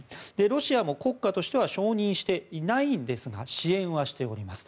ロシアも、国家としては承認していないんですが支援はしております。